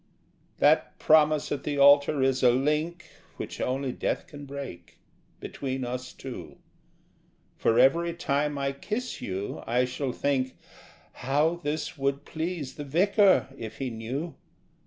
That promise at the altar is a link (Which only death can break) between us two; For every time I kiss you I shall think: 'How this would please the Vicar if he knew!'